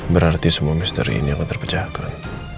berarti semua misteri ini akan terpecahkan